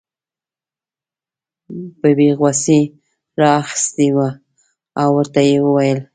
ببۍ غوسې را اخیستې وه او ورته یې وویل.